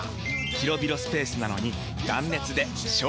広々スペースなのに断熱で省エネ！